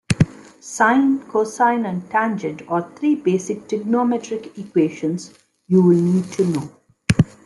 Sine, cosine and tangent are three basic trigonometric equations you'll need to know.